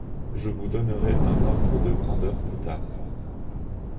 je vous donnerai un ordre de grandeur plus tard